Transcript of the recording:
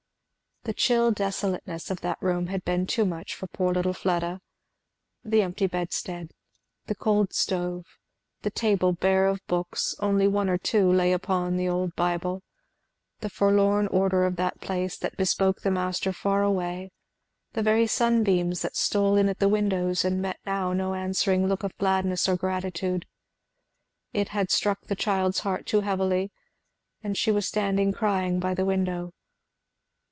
The chill desolateness of that room had been too much for poor little Fleda. The empty bedstead, the cold stove, the table bare of books, only one or two lay upon the old bible, the forlorn order of the place that bespoke the master far away, the very sunbeams that stole in at the little windows and met now no answering look of gladness or gratitude, it had struck the child's heart too heavily, and she was standing crying by the window.